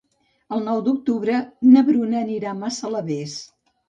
El nou d'octubre na Bruna anirà a Massalavés.